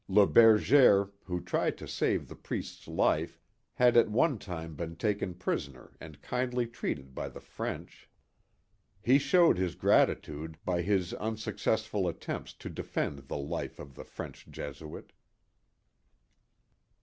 Le Berger, who tried to save the priest's life, had at one time been taken prisoner and kindly treated by the French. He showed his gratitude by his unsuccessful attempts to defend the life of the French Jesuit.